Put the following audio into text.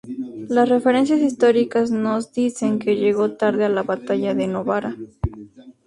Las referencias históricas nos dicen que llegó tarde a la Batalla de Novara.